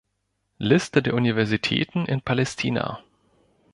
Liste der Universitäten in Palästina